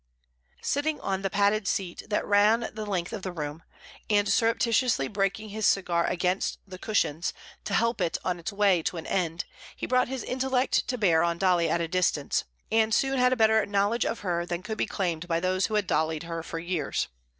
Sitting on the padded seat that ran the length of the room, and surreptitiously breaking his cigar against the cushions to help it on its way to an end, he brought his intellect to bear on Dolly at a distance, and soon had a better knowledge of her than could be claimed by those who had Dollied her for years.